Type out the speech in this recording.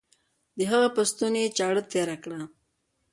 د هغه پر ستوني يې چاړه تېره کړه.